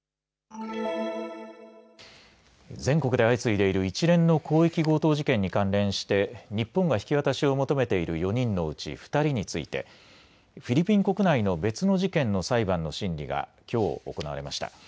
全国で相次いでいる一連の広域強盗事件に関連して日本が引き渡しを求めている４人のうち２人についてフィリピン国内の別の事件の裁判の審理がきょう行われました。